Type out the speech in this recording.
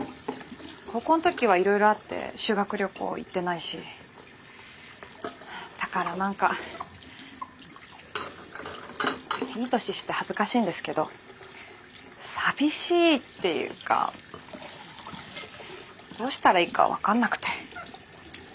高校の時はいろいろあって修学旅行行ってないしだから何かいい年して恥ずかしいんですけど寂しいっていうかどうしたらいいか分かんなくて。